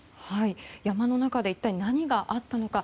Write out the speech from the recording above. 山の中で一体何があったのか。